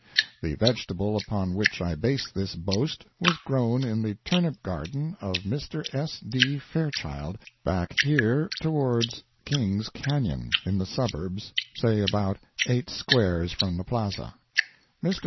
The vegetable upon which I base this boast, was grown in the turnip garden of Mr. S. D. Fairchild, back here towards King's Canyon—in the suburbs—say about eight squares from the plaza. Mr.